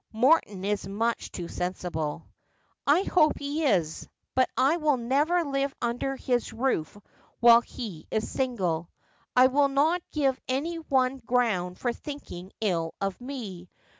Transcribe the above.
' Morton is much too sensible.' ' I hope he is ; but I will never live under his roof while he is single. I will not give any one ground for thinking ill of me.